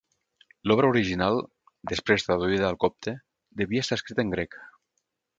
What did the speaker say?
L'obra original, després traduïda al copte, devia estar escrita en grec.